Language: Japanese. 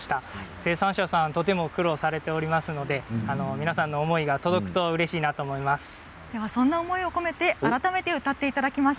生産者さんはとても苦労されておりますので皆さんの思いが届くとうれしいなと思います。